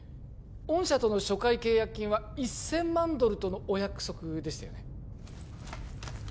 御社との初回契約金は１千万ドルとのお約束でしたよね